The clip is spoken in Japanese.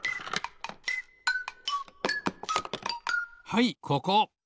はいここ。